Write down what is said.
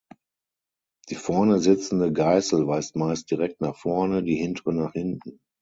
Die vorne sitzende Geißel weist meist direkt nach vorne, die hintere nach hinten.